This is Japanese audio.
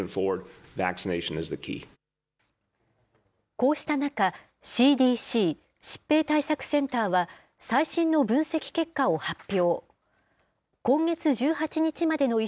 こうした中、ＣＤＣ・疾病対策センターは、最新の分析結果を発表。